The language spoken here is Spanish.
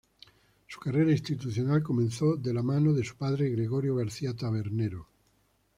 Su carrera institucional comenzó de la mano de su padre, Gregorio García Tabernero.